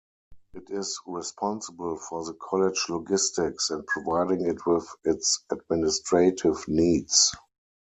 It is responsible for the college logistics and providing it with its administrative needs.